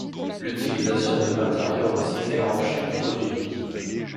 L'utilisation de matériaux recyclés rend chaque produit unique.